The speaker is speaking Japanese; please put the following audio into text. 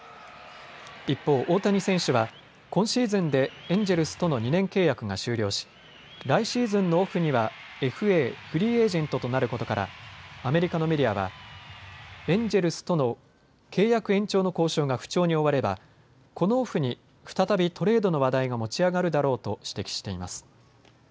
一方、大谷選手は今シーズンでエンジェルスとの２年契約が終了し、来シーズンのオフにはＦＡ・フリーエージェントとなることからアメリカのメディアはエンジェルスとの契約延長の交渉が不調に終わればこのオフに再びトレードの話題が持ち上がるだろうと指摘しています。